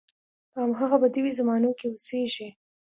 په همغه بدوي زمانو کې اوسېږي.